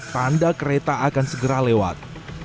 tanda kereta akan segera lewat